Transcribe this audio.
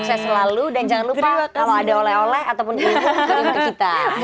sukses selalu dan jangan lupa kalau ada oleh oleh ataupun kita